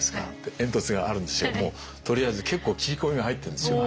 煙突があるんですけどもとりあえず結構切り込みが入ってるんですよ。